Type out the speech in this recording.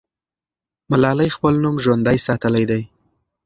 ملالۍ خپل نوم ژوندی ساتلی دی.